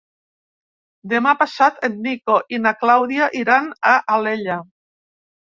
Demà passat en Nico i na Clàudia iran a Alella.